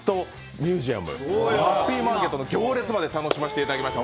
ミュージアム、ラッピーマーケットの行列まで楽しませていただきました。